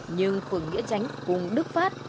nhưng phường nghĩa tránh cùng đức pháp